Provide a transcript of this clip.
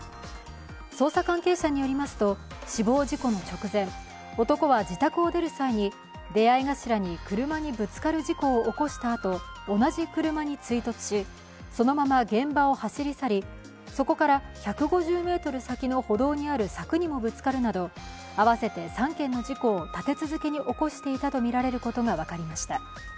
捜査関係者によりますと、死亡事故の直前、男は自宅を出る際に出会い頭に車にぶつかる事故を起こしたあと同じ車に追突し、そのまま現場を走り去りそこから１５０ｍ先の歩道にある柵にもぶつかるなど合わせて３件の事故を立て続けに起こしていたとみられることが分かりました。